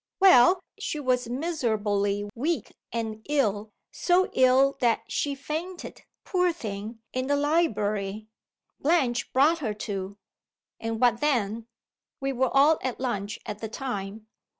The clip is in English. "Well, she was miserably weak and ill, so ill that she fainted, poor thing, in the library. Blanche brought her to." "And what then?" "We were all at lunch at the time.